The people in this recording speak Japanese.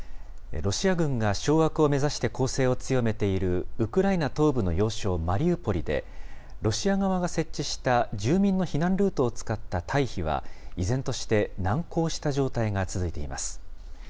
ロシア軍が掌握を目指して攻勢を強めている、ウクライナ東部の要衝マリウポリで、ロシア側が設置した住民の避難ルートを使った退避は、依然として難航した状態が続いています。